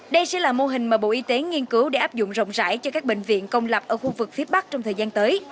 đây sẽ là mô hình mà bộ y tế nghiên cứu để áp dụng rộng rãi cho các bệnh viện công lập ở khu vực phía bắc trong thời gian tới